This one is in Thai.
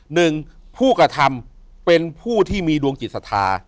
หนึ่งผู้กระทำเป็นผู้ที่มีดวงจิตศรัทธา